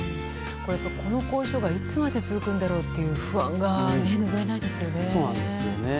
この後遺症がいつまで続くんだろうという不安がぬぐえないですね。